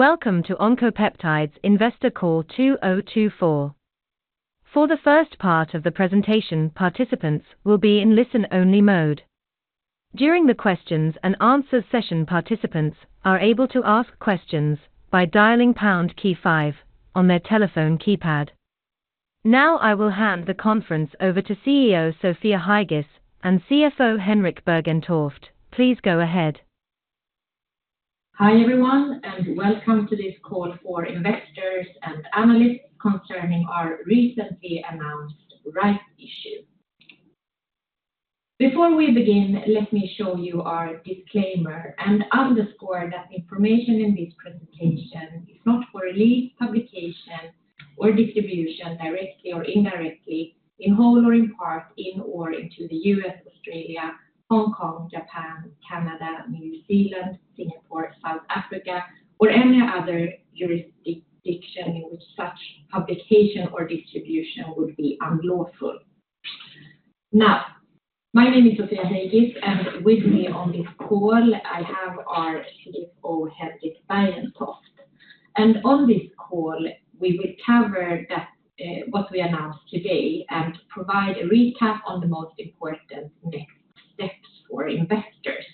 Welcome to Oncopeptides Investor Call 2024. For the first part of the presentation, participants will be in listen-only mode. During the questions and answers session, participants are able to ask questions by dialing pound key five on their telephone keypad. Now I will hand the conference over to CEO Sofia Heigis and CFO Henrik Bergentoft. Please go ahead. Hi everyone, and welcome to this call for investors and analysts concerning our recently announced rights issue. Before we begin, let me show you our disclaimer and underscore that information in this presentation is not for release, publication, or distribution directly or indirectly in whole or in part in or into the U.S., Australia, Hong Kong, Japan, Canada, New Zealand, Singapore, South Africa, or any other jurisdiction in which such publication or distribution would be unlawful. Now, my name is Sofia Heigis, and with me on this call I have our CFO Henrik Bergentoft. And on this call we will cover what we announced today and provide a recap on the most important next steps for investors.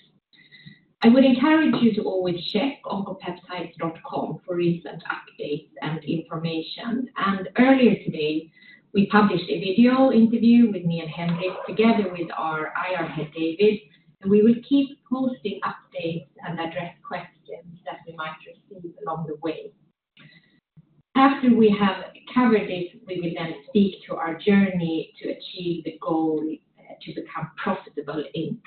I would encourage you to always check oncopeptides.com for recent updates and information. Earlier today we published a video interview with me and Henrik together with our IR head David, and we will keep posting updates and address questions that we might receive along the way. After we have covered this, we will then speak to our journey to achieve the goal to become profitable in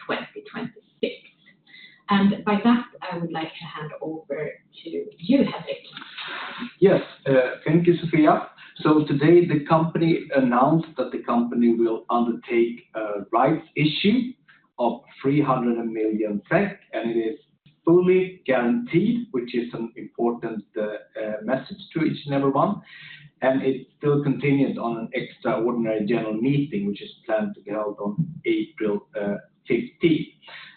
2026. By that, I would like to hand over to you, Henrik. Yes, thank you, Sofia. Today the company announced that the company will undertake a rights issue of 300 million SEK, and it is fully guaranteed, which is an important message to each and everyone. It still continues on an extraordinary general meeting, which is planned to be held on April 15.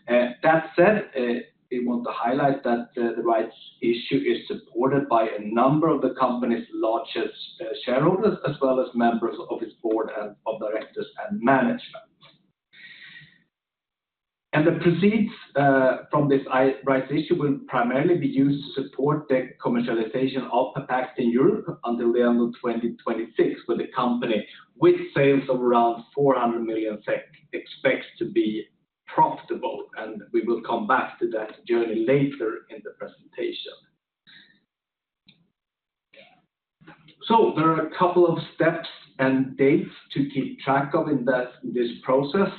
That said, we want to highlight that the rights issue is supported by a number of the company's largest shareholders as well as members of its board of directors and management. The proceeds from this rights issue will primarily be used to support the commercialization of Pepaxti in Europe until the end of 2026, where the company with sales of around 400 million expects to be profitable. We will come back to that journey later in the presentation. So there are a couple of steps and dates to keep track of in this process.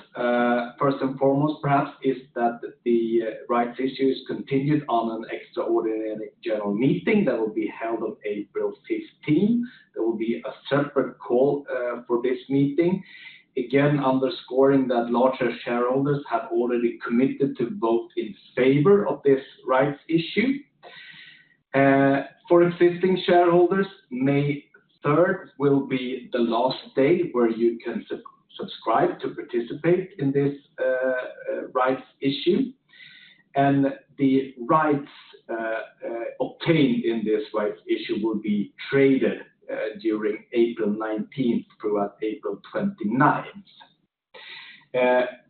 First and foremost, perhaps, is that the rights issue is continued on an extraordinary general meeting that will be held on April 15th. There will be a separate call for this meeting, again underscoring that larger shareholders have already committed to vote in favor of this rights issue. For existing shareholders, May 3rd will be the last day where you can subscribe to participate in this rights issue. And the rights obtained in this rights issue will be traded during April 19th throughout April 29th.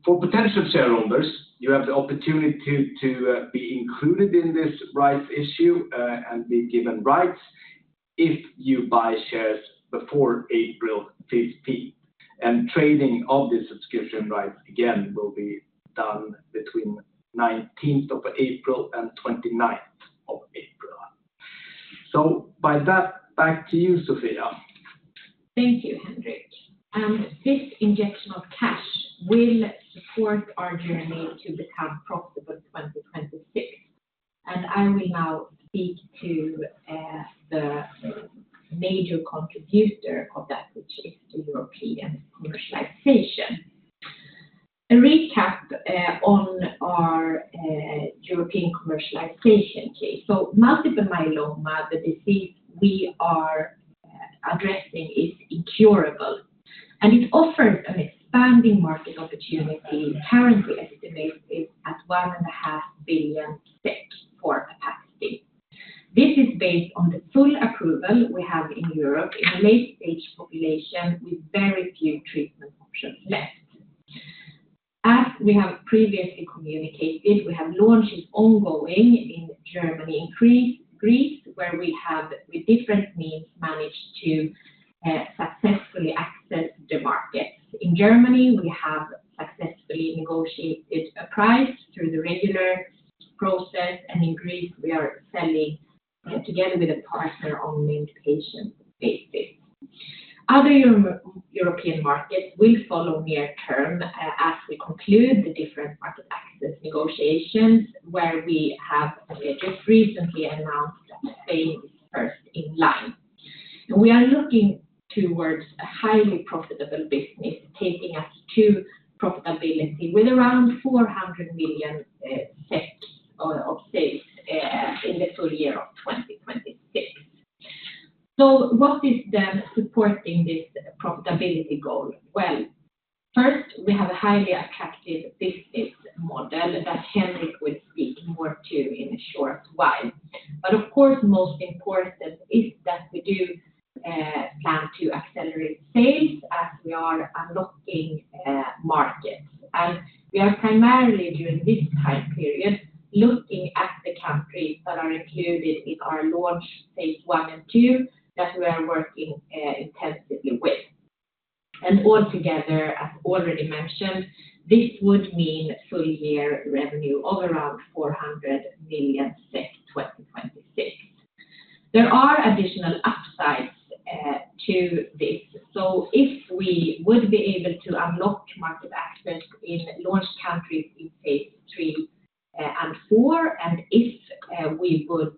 For potential shareholders, you have the opportunity to be included in this rights issue and be given rights if you buy shares before April 15th. And trading of these subscription rights, again, will be done between the 19th of April and the 29th of April. So by that, back to you, Sofia. Thank you, Henrik. This injection of cash will support our journey to become profitable in 2026. I will now speak to the major contributor of that, which is the European commercialization. A recap on our European commercialization case. Multiple myeloma, the disease we are addressing, is incurable, and it offers an expanding market opportunity. Currently, estimated at 1.5 billion SEK for Pepaxti. This is based on the full approval we have in Europe in a late-stage population with very few treatment options left. As we have previously communicated, we have launches ongoing in Germany, Greece, where we have, with different means, managed to successfully access the markets. In Germany, we have successfully negotiated a price through the regular process, and in Greece, we are selling together with a partner on an inpatient basis. Other European markets will follow near term as we conclude the different market access negotiations, where we have just recently announced that Spain is first in line. We are looking towards a highly profitable business, taking us to profitability with around 400 million of sales in the full year of 2026. What is then supporting this profitability goal? Well, first, we have a highly attractive business model that Henrik will speak more to in a short while. Of course, most important is that we do plan to accelerate sales as we are unlocking markets. We are primarily during this time period looking at the countries that are included in our launch phase I and II that we are working intensively with. Altogether, as already mentioned, this would mean full year revenue of around 400 million in 2026. There are additional upsides to this. So if we would be able to unlock market access in launch countries in phase three and four, and if we would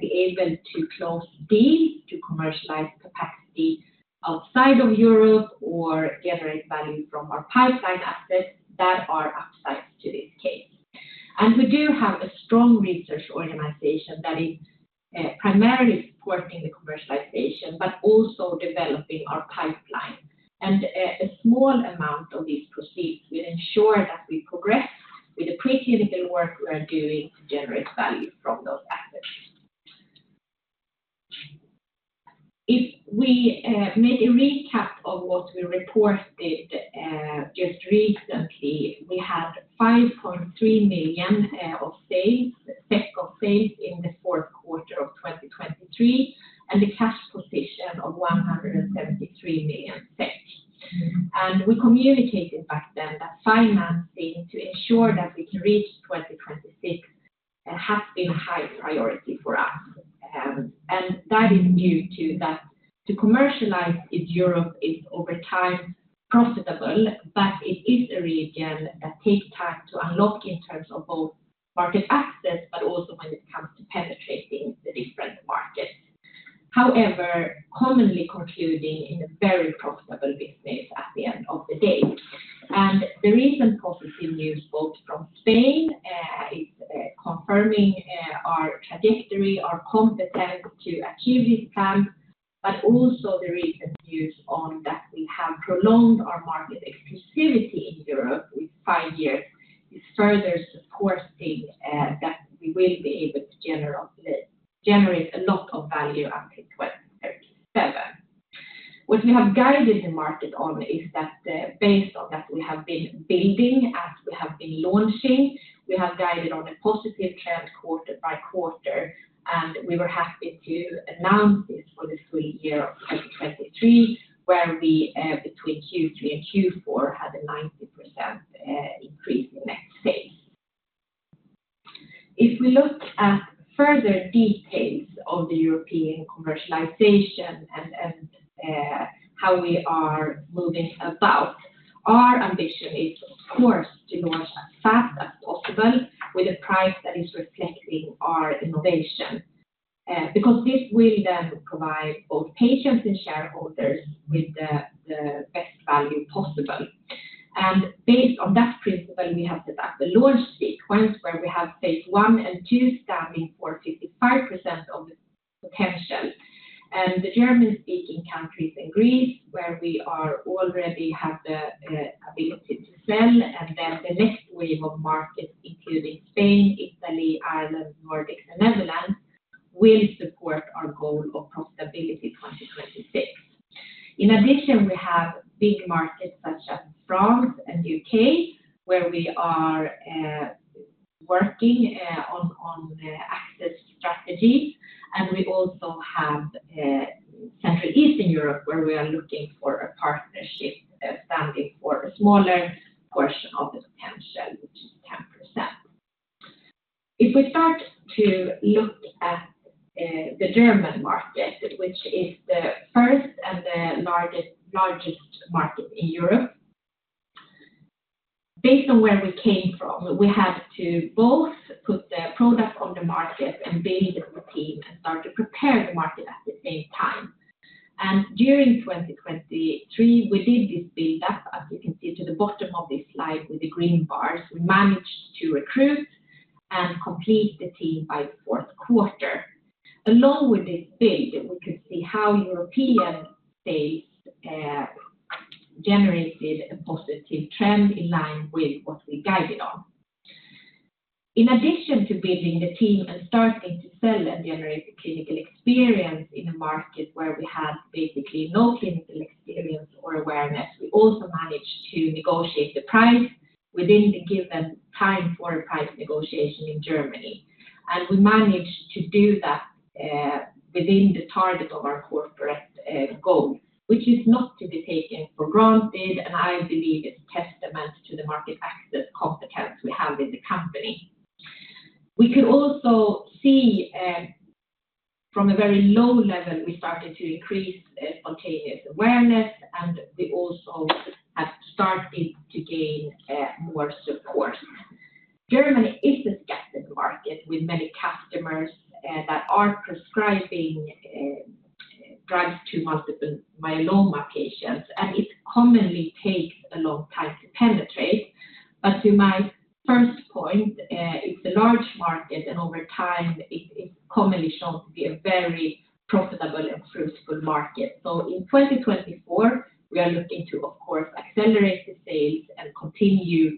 be able to close deals to commercialize Pepaxti outside of Europe or generate value from our pipeline assets, that are upsides to this case. And we do have a strong research organization that is primarily supporting the commercialization but also developing our pipeline. And a small amount of these proceeds will ensure that we progress with the preclinical work we are doing to generate value from those assets. If we make a recap of what we reported just recently, we had 5.3 million of sales in the fourth quarter of 2023 and a cash position of 173 million. And we communicated back then that financing to ensure that we can reach 2026 has been a high priority for us. That is due to that to commercialize in Europe is over time profitable, but it is a region that takes time to unlock in terms of both market access but also when it comes to penetrating the different markets. However, commonly concluding in a very profitable business at the end of the day. The recent positive news both from Spain is confirming our trajectory, our competence to achieve this plan, but also the recent news on that we have prolonged our market exclusivity in Europe with five years is further supporting that we will be able to generate a lot of value until 2037. What we have guided the market on is that based on that we have been building as we have been launching, we have guided on a positive trend quarter by quarter. We were happy to announce this for the full year of 2023, where we between Q3 and Q4 had a 90% increase in net sales. If we look at further details of the European commercialization and how we are moving about, our ambition is, of course, to launch as fast as possible with a price that is reflecting our innovation because this will then provide both patients and shareholders with the best value possible. Based on that principle, we have set up a launch sequence where we have phase I and II standing for 55% of the potential. The German-speaking countries and Greece, where we already have the ability to sell, and then the next wave of markets, including Spain, Italy, Ireland, the Nordics, and Netherlands, will support our goal of profitability in 2026. In addition, we have big markets such as France and the U.K., where we are working on access strategies. We also have Central Eastern Europe, where we are looking for a partnership standing for a smaller portion of the potential, which is 10%. If we start to look at the German market, which is the first and the largest market in Europe, based on where we came from, we had to both put the product on the market and build the team and start to prepare the market at the same time. During 2023, we did this buildup, as you can see to the bottom of this slide with the green bars. We managed to recruit and complete the team by the fourth quarter. Along with this build, we could see how European sales generated a positive trend in line with what we guided on. In addition to building the team and starting to sell and generate the clinical experience in a market where we had basically no clinical experience or awareness, we also managed to negotiate the price within the given time for a price negotiation in Germany. We managed to do that within the target of our corporate goal, which is not to be taken for granted. I believe it's a testament to the market access competence we have in the company. We could also see from a very low level, we started to increase spontaneous awareness, and we also have started to gain more support. Germany is a scattered market with many customers that are prescribing drugs to multiple myeloma patients, and it commonly takes a long time to penetrate. But to my first point, it's a large market, and over time, it is commonly shown to be a very profitable and fruitful market. So in 2024, we are looking to, of course, accelerate the sales and continue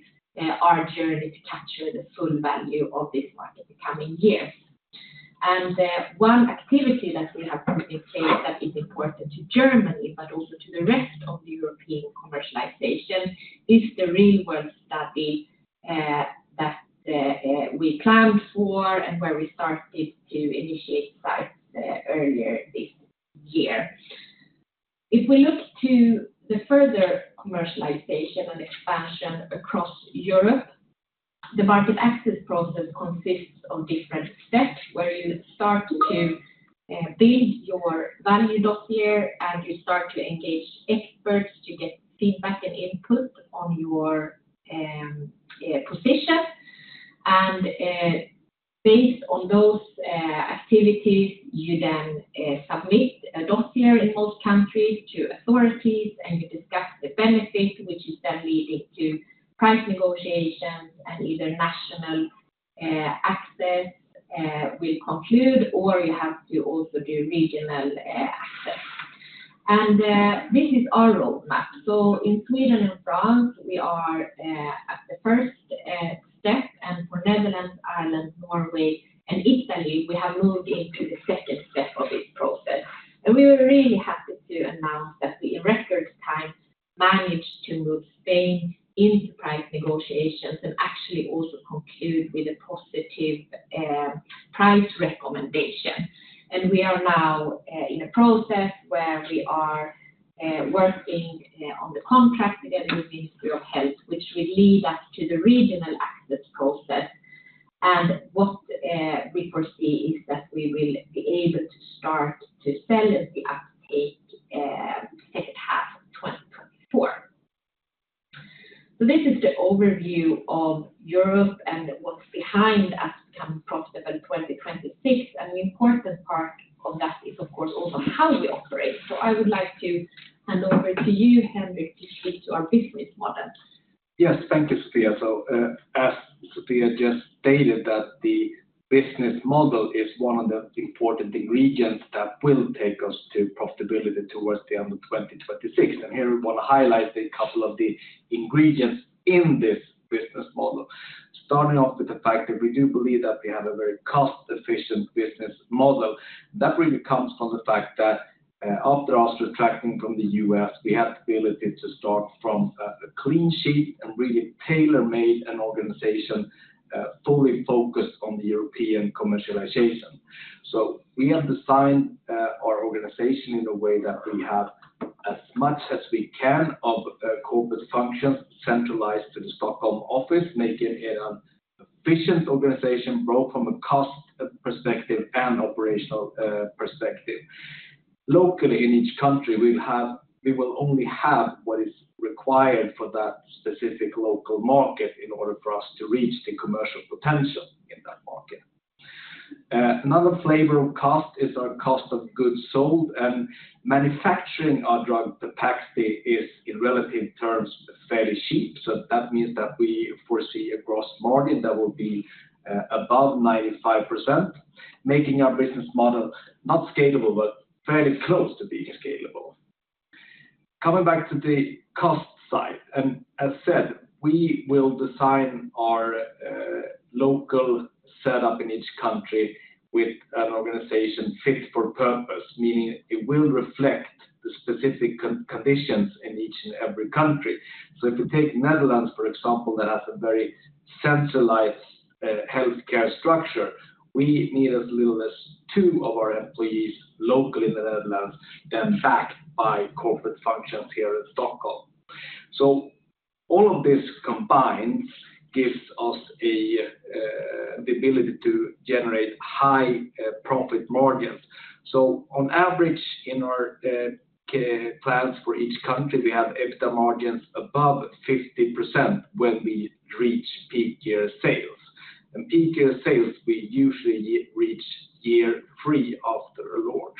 our journey to capture the full value of this market in the coming years. And one activity that we have put in place that is important to Germany but also to the rest of the European commercialization is the real-world study that we planned for and where we started to initiate sites earlier this year. If we look to the further commercialization and expansion across Europe, the market access process consists of different steps where you start to build your value dossier, and you start to engage experts to get feedback and input on your position. Based on those activities, you then submit a dossier in most countries to authorities, and you discuss the benefit, which is then leading to price negotiations and either national access will conclude or you have to also do regional access. This is our roadmap. So in Sweden and France, we are at the first step. For Netherlands, Ireland, Norway, and Italy, we have moved into the second step of this process. We were really happy to announce that we, in record time, managed to move Spain into price negotiations and actually also conclude with a positive price recommendation. We are now in a process where we are working on the contract again with the Ministry of Health, which will lead us to the regional access process. What we foresee is that we will be able to start to sell at the uptake second half of 2024. This is the overview of Europe and what's behind us becoming profitable in 2026. The important part of that is, of course, also how we operate. I would like to hand over to you, Henrik, to speak to our business model. Yes, thank you, Sofia. So as Sofia just stated, that the business model is one of the important ingredients that will take us to profitability towards the end of 2026. And here we want to highlight a couple of the ingredients in this business model, starting off with the fact that we do believe that we have a very cost-efficient business model. That really comes from the fact that after us retracting from the U.S., we had the ability to start from a clean sheet and really tailor-made an organization fully focused on the European commercialization. So we have designed our organization in a way that we have as much as we can of corporate functions centralized to the Stockholm office, making it an efficient organization both from a cost perspective and operational perspective. Locally, in each country, we will only have what is required for that specific local market in order for us to reach the commercial potential in that market. Another flavor of cost is our cost of goods sold. And manufacturing our drug, Pepaxti, is, in relative terms, fairly cheap. So that means that we foresee a gross margin that will be above 95%, making our business model not scalable but fairly close to being scalable. Coming back to the cost side, and as said, we will design our local setup in each country with an organization fit for purpose, meaning it will reflect the specific conditions in each and every country. So if we take the Netherlands, for example, that has a very centralized healthcare structure, we need as little as two of our employees locally in the Netherlands then backed by corporate functions here in Stockholm. All of this combined gives us the ability to generate high profit margins. On average, in our plans for each country, we have EBITDA margins above 50% when we reach peak year sales. Peak year sales, we usually reach year three after a launch.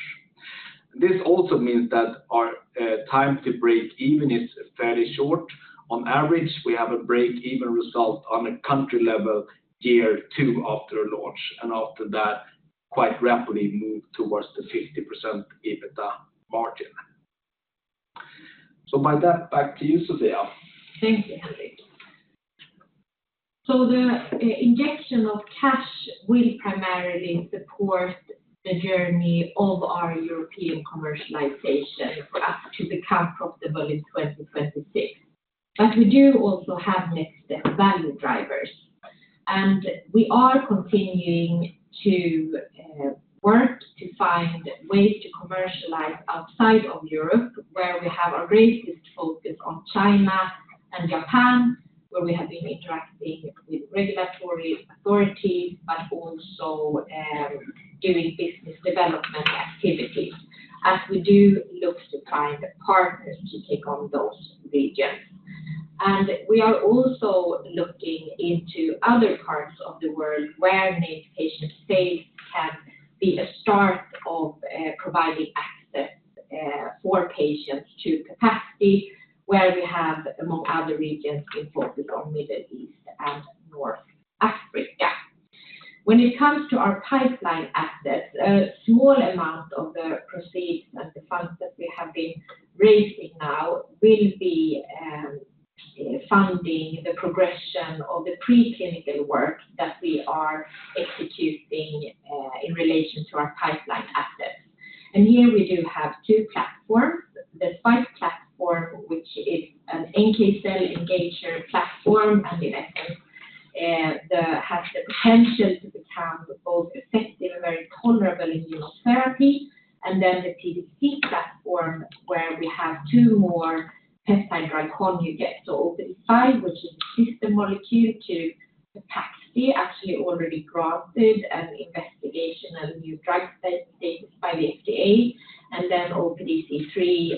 This also means that our time to break even is fairly short. On average, we have a break-even result on a country-level year two after a launch and after that quite rapidly move towards the 50% EBITDA margin. By that, back to you, Sofia. Thank you, Henrik. So the injection of cash will primarily support the journey of our European commercialization for us to become profitable in 2026. But we do also have next-step value drivers. And we are continuing to work to find ways to commercialize outside of Europe, where we have our greatest focus on China and Japan, where we have been interacting with regulatory authorities but also doing business development activities as we do look to find partners to take on those regions. And we are also looking into other parts of the world where named patient sales can be a start of providing access for patients to Pepaxti, where we have, among other regions, been focused on the Middle East and North Africa. When it comes to our pipeline assets, a small amount of the proceeds and the funds that we have been raising now will be funding the progression of the preclinical work that we are executing in relation to our pipeline assets. Here we do have two platforms: the SPiKE platform, which is an NK-cell engager platform, and in essence, it has the potential to become both effective and very tolerable immunotherapy, and then the PDC platform, where we have two more peptide drug conjugates. OPD5, which is a sister molecule to Pepaxti, is actually already granted an Investigational New Drug status by the FDA. Then OPDC3,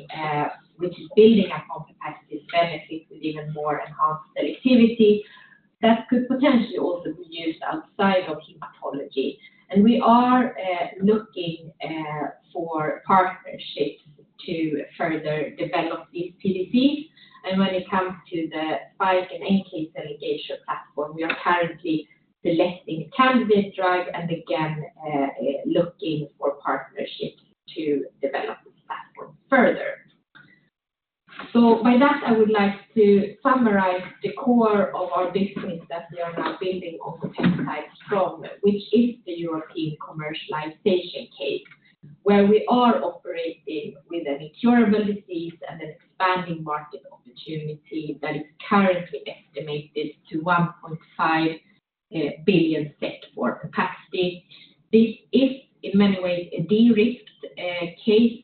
which is building upon Pepaxti's benefits with even more enhanced selectivity, that could potentially also be used outside of hematology. We are looking for partnerships to further develop these PDCs. When it comes to the SPiKE and NK cell engager platform, we are currently selecting a candidate drug and again looking for partnerships to develop these platforms further. By that, I would like to summarize the core of our business that we are now building on the Pepaxti from, which is the European commercialization case, where we are operating with an incurable disease and an expanding market opportunity that is currently estimated to 1.5 billion for Pepaxti. This is, in many ways, a de-risked case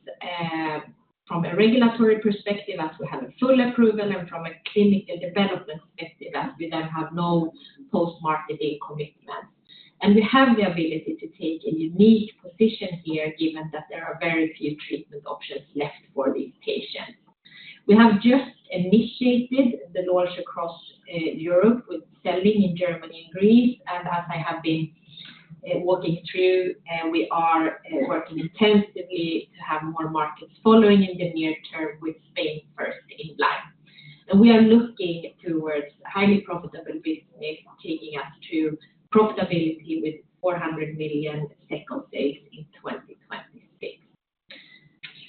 from a regulatory perspective as we have a full approval and from a clinical development perspective as we then have no post-marketing commitments. We have the ability to take a unique position here given that there are very few treatment options left for these patients. We have just initiated the launch across Europe with sales in Germany and Greece. As I have been walking through, we are working intensively to have more markets following in the near term with Spain first in line. We are looking towards a highly profitable business taking us to profitability with 400 million in sales in 2026.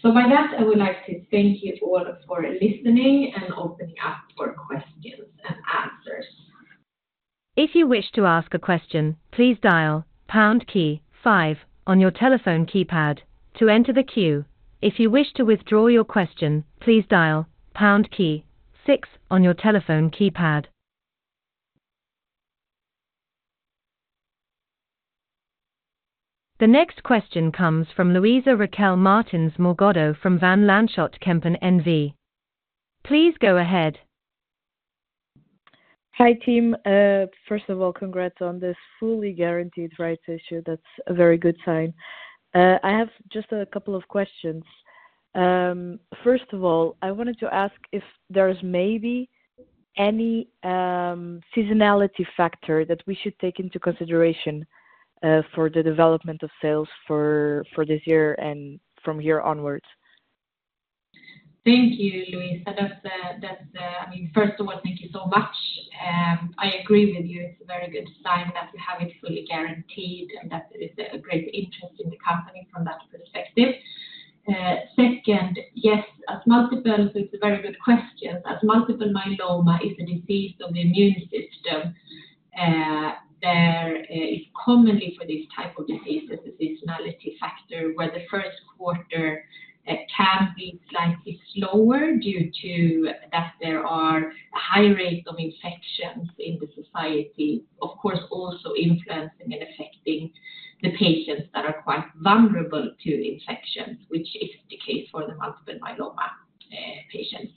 By that, I would like to thank you all for listening and opening up for questions and answers. If you wish to ask a question, please dial pound key five on your telephone keypad to enter the queue. If you wish to withdraw your question, please dial pound key six on your telephone keypad. The next question comes from Luisa Raquel Martins Morgado from Van Lanschot Kempen, NV. Please go ahead. Hi team. First of all, congrats on this fully guaranteed rights issue. That's a very good sign. I have just a couple of questions. First of all, I wanted to ask if there is maybe any seasonality factor that we should take into consideration for the development of sales for this year and from here onwards. Thank you, Luisa. I mean, first of all, thank you so much. I agree with you. It's a very good sign that we have it fully guaranteed and that there is a great interest in the company from that perspective. Second, yes, as multiple so it's a very good question. As multiple myeloma is a disease of the immune system, there is commonly for these type of diseases a seasonality factor where the first quarter can be slightly slower due to that there are a higher rate of infections in the society, of course also influencing and affecting the patients that are quite vulnerable to infections, which is the case for the multiple myeloma patients.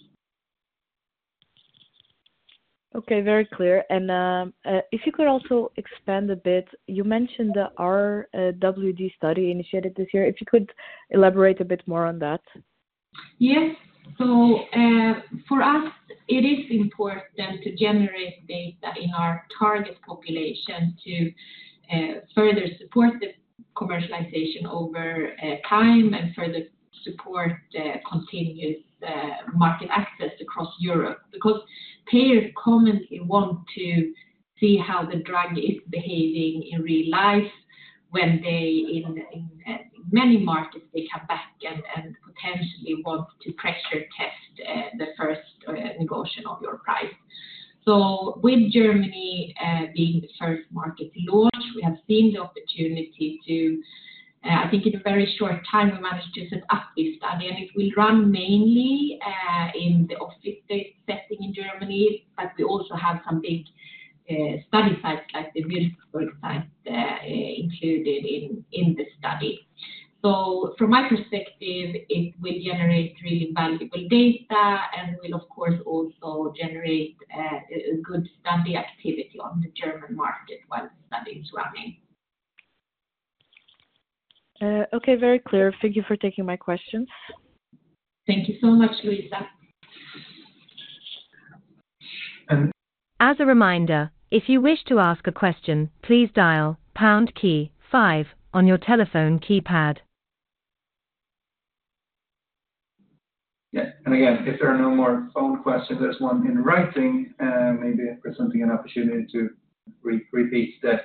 Okay, very clear. If you could also expand a bit, you mentioned our RWD study initiated this year. If you could elaborate a bit more on that. Yes. So for us, it is important to generate data in our target population to further support the commercialization over time and further support continuous market access across Europe because payers commonly want to see how the drug is behaving in real life when they, in many markets, come back and potentially want to pressure test the first negotiation of your price. So with Germany being the first market to launch, we have seen the opportunity to, I think, in a very short time, we managed to set up this study. And it will run mainly in the office-based setting in Germany, but we also have some big study sites like the Würzburg site included in the study. So from my perspective, it will generate really valuable data and will, of course, also generate good study activity on the German market while the study is running. Okay, very clear. Thank you for taking my questions. Thank you so much, Luisa. As a reminder, if you wish to ask a question, please dial pound key five on your telephone keypad. Yeah. Again, if there are no more phone questions, there's one in writing. Maybe presenting an opportunity to repeat the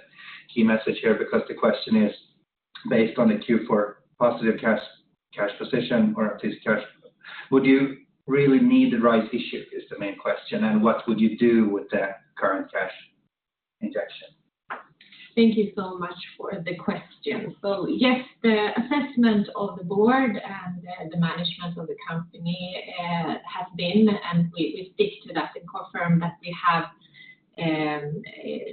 key message here because the question is based on a Q for positive cash position or at least cash, would you really need the rights issue? Is the main question, and what would you do with that current cash injection? Thank you so much for the question. So yes, the assessment of the board and the management of the company has been, and we stick to that and confirm that we have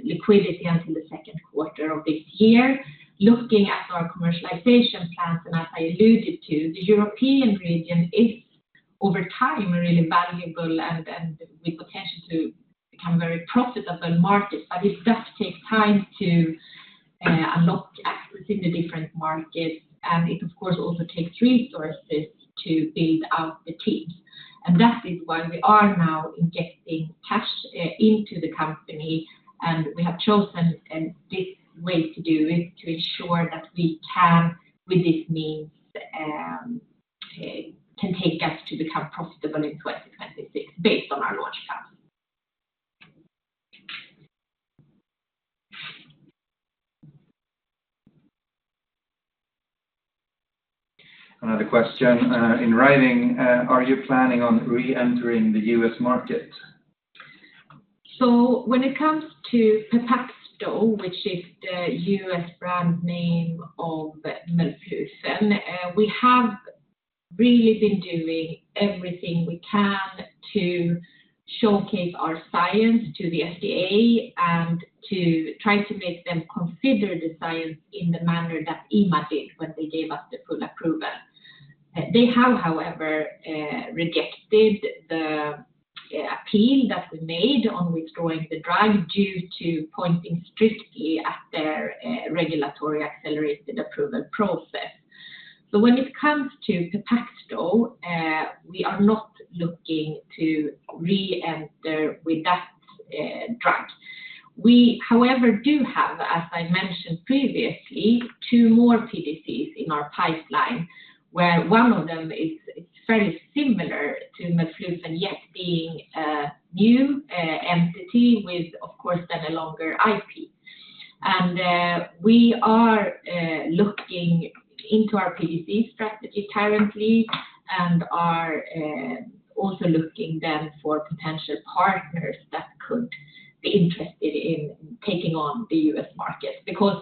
liquidity until the second quarter of this year. Looking at our commercialization plans and as I alluded to, the European region is, over time, a really valuable and with potential to become a very profitable market. But it does take time to unlock access in the different markets. And it, of course, also takes resources to build out the teams. And that is why we are now injecting cash into the company. And we have chosen this way to do it to ensure that we can, with these means, can take us to become profitable in 2026 based on our launch plans. Another question in writing. Are you planning on re-entering the U.S. market? So when it comes to PEPAXTO, though, which is the U.S. brand name of melflufen, we have really been doing everything we can to showcase our science to the FDA and to try to make them consider the science in the manner that EMA did when they gave us the full approval. They have, however, rejected the appeal that we made on withdrawing the drug due to pointing strictly at their regulatory accelerated approval process. So when it comes to PEPAXTO, though, we are not looking to re-enter with that drug. We, however, do have, as I mentioned previously, two more PDCs in our pipeline where one of them is fairly similar to melflufen yet being a new entity with, of course, then a longer IP. We are looking into our PDC strategy currently and are also looking then for potential partners that could be interested in taking on the U.S. market because,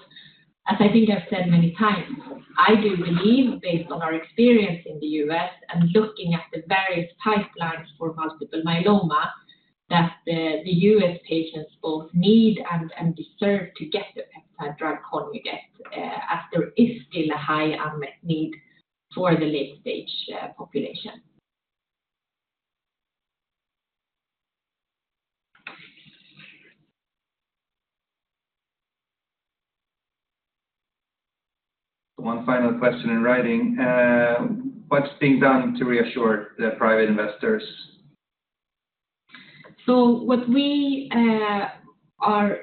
as I think I've said many times, I do believe, based on our experience in the U.S. and looking at the various pipelines for multiple myeloma, that the U.S. patients both need and deserve to get the peptide drug conjugate as there is still a high unmet need for the late-stage population. One final question in writing. What's being done to reassure the private investors? So what we are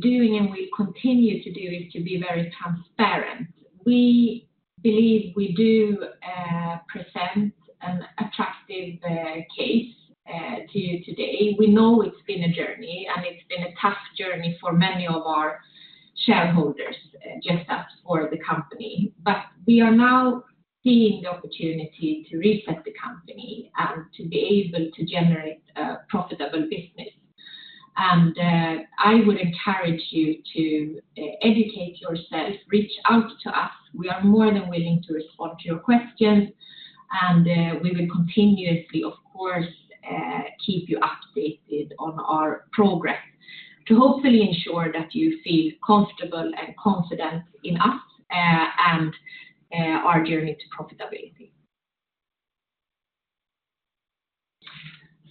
doing and will continue to do is to be very transparent. We believe we do present an attractive case to you today. We know it's been a journey, and it's been a tough journey for many of our shareholders just as for the company. But we are now seeing the opportunity to reset the company and to be able to generate a profitable business. I would encourage you to educate yourself, reach out to us. We are more than willing to respond to your questions. We will continuously, of course, keep you updated on our progress to hopefully ensure that you feel comfortable and confident in us and our journey to profitability.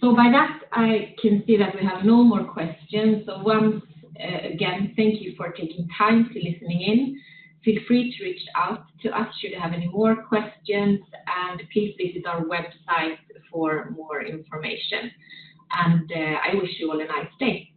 By that, I can see that we have no more questions. Once again, thank you for taking time to listening in. Feel free to reach out to us should you have any more questions. Please visit our website for more information. I wish you all a nice day.